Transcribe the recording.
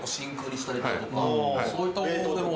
そういったモノでも？